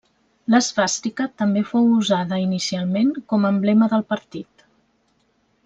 L'esvàstica també fou usada inicialment com a emblema del partit.